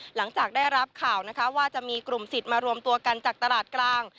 หลังจากได้รับข่าวนะคะว่าจะมีกลุ่มสิทธิ์มารวมตัวกันจากตลาดกลาง